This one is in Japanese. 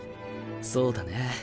そうだね。